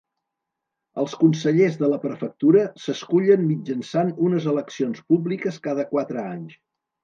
Els consellers de la prefectura s'escullen mitjançant unes eleccions públiques cada quatre anys.